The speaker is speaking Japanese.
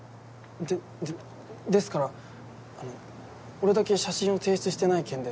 ででですからあの俺だけ写真を提出してない件で。